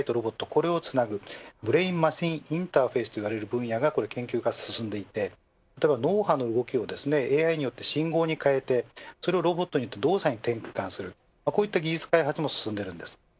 これをつなぐブレーンマシンインターフェースという分野の研究が進んでいて脳波の動きをＡＩによって信号に変えてロボットの動作に変換するこういった技術開発も進んでいます。